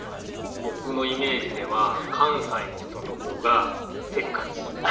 僕のイメージでは関西の人の方がせっかち。